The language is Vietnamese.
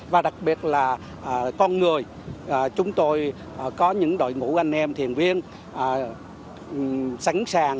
và đặc biệt là con người chúng tôi có những đội ngũ anh em thiền viên sẵn sàng